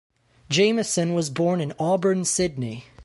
Jamieson was born in Auburn, Sydney.